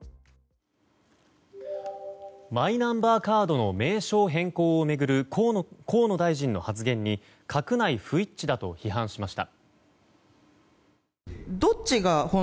マイナンバーカードの名称変更を巡る河野大臣の発言に閣内不一致だと批判しました。